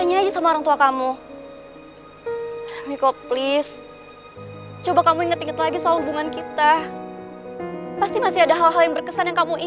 jadi waktu itu papa minta tolong om joko untuk mengantarikan video pertunangan kamu